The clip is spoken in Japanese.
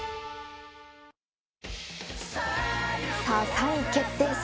３位決定戦